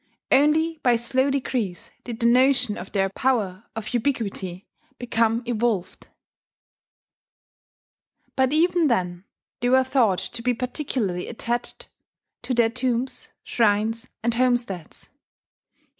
Only by slow degrees did the notion of their power of ubiquity become evolved. But even then they were thought to be particularly attached to their tombs, shrines, and homesteads.